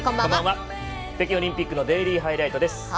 北京オリンピックのデイリーハイライトです。